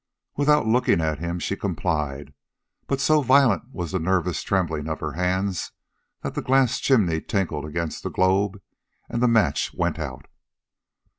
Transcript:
Without looking at him, she complied; but so violent was the nervous trembling of her hands that the glass chimney tinkled against the globe and the match went out.